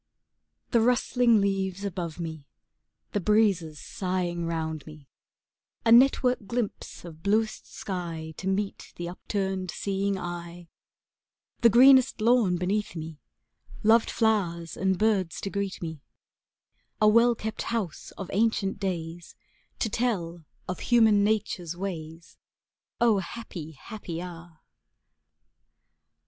The rustling leaves above me, The breezes sighing round me, A network glimpse of bluest sky To meet the upturned seeing eye, The greenest lawn beneath me, Loved flowers and birds to greet me, A well kept house of ancient days To tell of human nature's ways, Oh happy, happy hour!